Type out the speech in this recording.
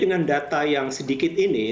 dengan data yang sedikit ini